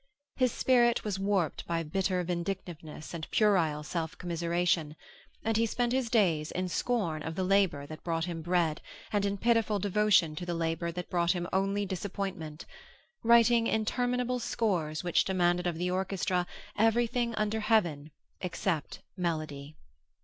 His spirit was warped by bitter vindictiveness and puerile self commiseration, and he spent his days in scorn of the labor that brought him bread and in pitiful devotion to the labor that brought him only disappointment, writing interminable scores which demanded of the orchestra everything under heaven except melody.